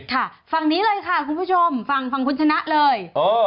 ค่ะฟังนี้เลยค่ะคุณผู้ชมฟังคุณชนะเลย